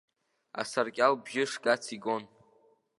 Асаркьал бжьы шгац игон.